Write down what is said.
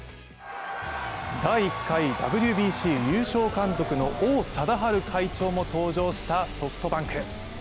第１回ＷＢＣ優勝監督の王貞治会長も登場したソフトバンク。